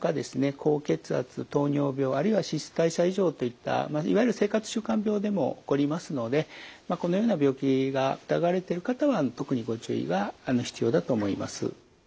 高血圧糖尿病あるいは脂質代謝異常といったいわゆる生活習慣病でも起こりますのでこのような病気が疑われている方は特にご注意が必要だと思います。